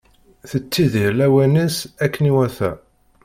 Tettidir lawan-is akken iwata.